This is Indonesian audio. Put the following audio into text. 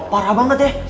parah banget ya